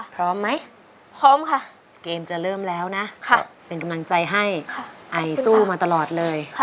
พร้อมไหมพร้อมค่ะเกมจะเริ่มแล้วนะเป็นกำลังใจให้ไอสู้มาตลอดเลย